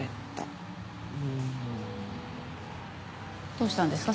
どうしたんですか？